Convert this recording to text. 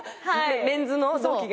メンズの同期が？